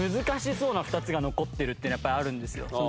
難しそうな２つが残ってるっていうのはやっぱあるんですよ。